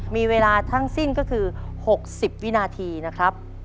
มีเวลาทั้งสิ้นก็คือ๖๐วินาทีนะครับ